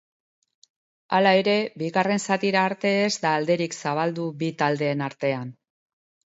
Hala ere, bigarren zatira arte ez da alderik zabaldu bi taldeen artean.